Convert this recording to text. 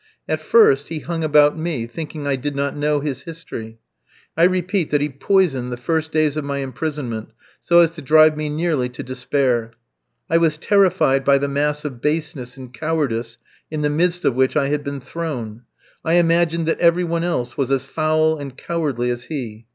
At first, he hung about me, thinking I did not know his history. I repeat that he poisoned the first days of my imprisonment so as to drive me nearly to despair. I was terrified by the mass of baseness and cowardice in the midst of which I had been thrown. I imagined that every one else was as foul and cowardly as he.